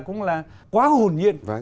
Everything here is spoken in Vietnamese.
cũng là quá hồn nhiên